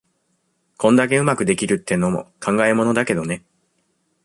こんだけ上手くできるってのも考えものだけどね。